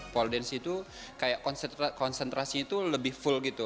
pole dance itu kayak konsentrasinya itu lebih full gitu